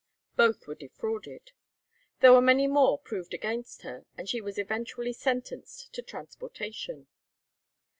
Both were defrauded. There were many more proved against her, and she was eventually sentenced to transportation.